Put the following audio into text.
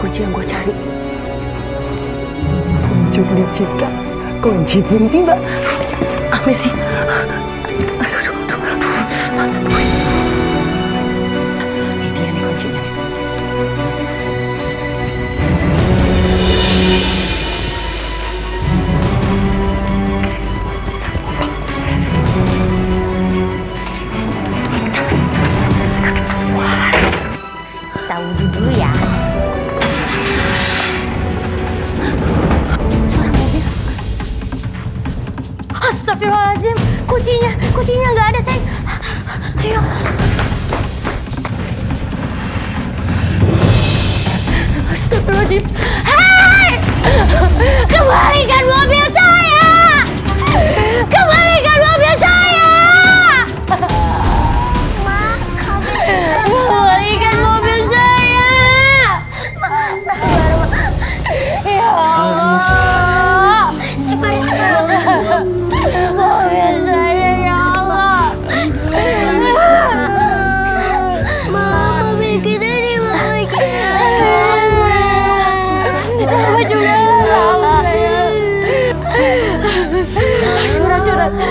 jatuh kumpul jemput